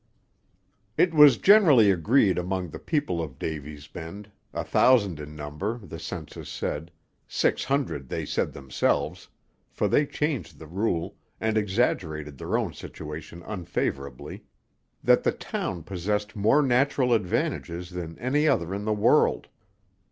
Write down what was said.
It was generally agreed among the people of Davy's Bend a thousand in number, the census said; six hundred they said themselves, for they changed the rule, and exaggerated their own situation unfavorably that the town possessed more natural advantages than any other in the world.